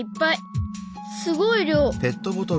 すごい量。